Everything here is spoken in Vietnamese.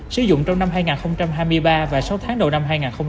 sử dụng trong năm hai nghìn hai mươi ba và sáu tháng đầu năm hai nghìn hai mươi bốn